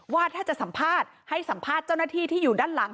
ว่าถ้าจะสัมภาษณ์ให้สัมภาษณ์เจ้าหน้าที่ที่อยู่ด้านหลัง